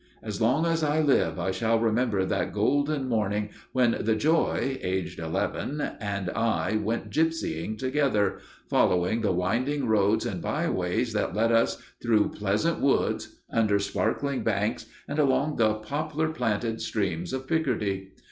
As long as I live I shall remember that golden morning when the Joy, age eleven, and I went gipsying together, following the winding roads and byways that led us through pleasant woods, under sparkling banks, and along the poplar planted streams of Picardy.